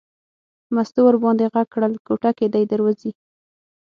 مستو ور باندې غږ کړل کوټه کې دی در وځي.